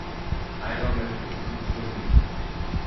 Heiner möchte den Flug stornieren.